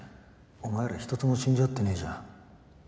お前らひとつも信じ合ってねぇじゃん。